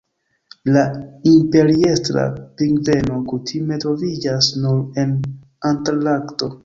La Imperiestra pingveno kutime troviĝas nur en Antarkto.